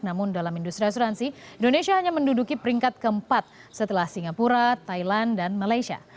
namun dalam industri asuransi indonesia hanya menduduki peringkat keempat setelah singapura thailand dan malaysia